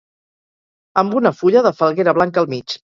amb una fulla de falguera blanca al mig